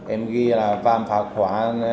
em ghi là vang phá khóa